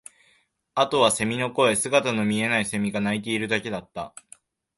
あとは蝉の声、姿の見えない蝉が鳴いているだけだった